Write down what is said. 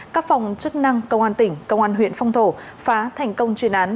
các phòng chức năng công an tỉnh công an huyện phong thổ phá thành công chuyên án